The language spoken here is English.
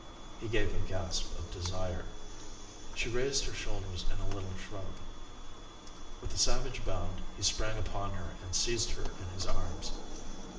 He gave a gasp of desire. She raised her shoulders in a little shrug. With a savage bound he sprang upon her and seized her in his arms.